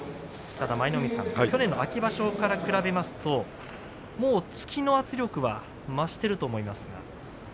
舞の海さん、去年の秋場所から比べますともう突きの圧力は増していると思いますが。